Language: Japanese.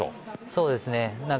そうですね。